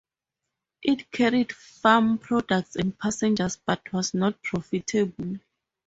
It carried farm products and passengers but was not profitable.